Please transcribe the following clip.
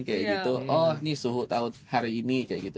kayak gitu oh ini suhu tahun hari ini kayak gitu